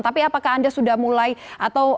tapi apakah anda sudah mulai atau sempat bertanya